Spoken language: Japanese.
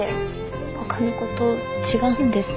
ほかの子と違うんです。